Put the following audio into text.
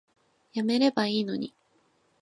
やめればいいのに